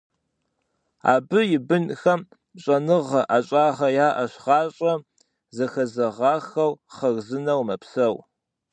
Абы и бынхэм щӀэныгъэ, ӀэщӀагъэ яӀэщ, гъащӀэм хэзэгъахэу хъарзынэу мэпсэу.